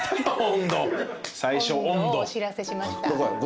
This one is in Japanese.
温度をお知らせしました。